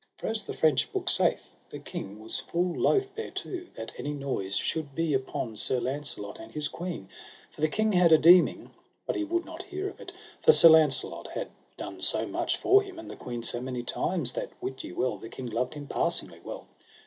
For as the French book saith, the king was full loath thereto, that any noise should be upon Sir Launcelot and his queen; for the king had a deeming, but he would not hear of it, for Sir Launcelot had done so much for him and the queen so many times, that wit ye well the king loved him passingly well.